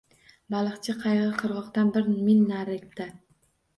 Baliqchi qayig‘i qirg‘oqdan bir mil narida.